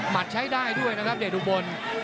มัดใช้ได้ด้วยนะครับเด็ดอุบล